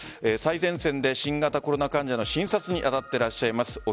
最前線で新型コロナ患者の診察に当たっていらっしゃいます